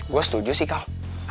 gue setuju sih kal